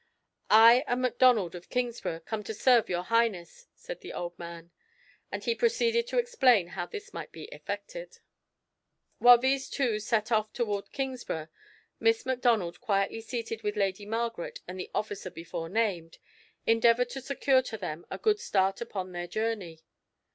"I am Macdonald of Kingsburgh, come to serve Your Highness," said the old man; and he proceeded to explain how this might be effected. While these two set off toward Kingsburgh, Miss Macdonald quietly seated with Lady Margaret and the officer before named, endeavoured to secure to them a good start upon their journey.